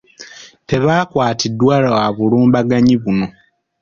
Tebaakwatiddwa lwa bulumbaganyi buno.